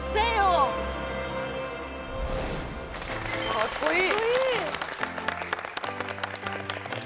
かっこいい！